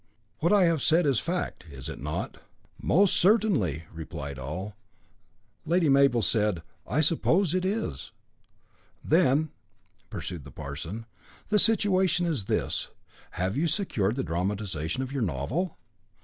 "What I have said is fact, is it not?" "Most certainly," replied all. Lady Mabel said: "I suppose it is." "Then," pursued the parson, "the situation is this: Have you secured the dramatisation of your novel?"